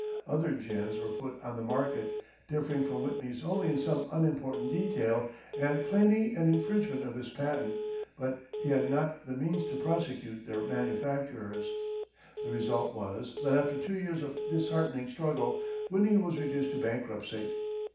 Other gins were put on the market, differing from Whitney's only in some unimportant detail, and plainly an infringement of his patent; but he had not the means to prosecute their manufacturers. The result was, that after two years of disheartening struggle, Whitney was reduced to bankruptcy.